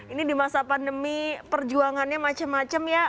ini di masa pandemi perjuangannya macam macam ya